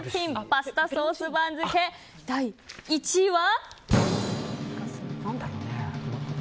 パスタソース番付第１位は。